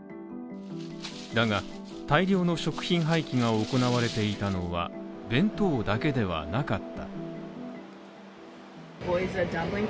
だが大量の食品廃棄が行われていたのは、弁当だけではなかった。